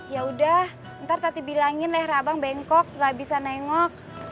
yaudah ntar tati bilangin leher abang bengkok gak bisa nengok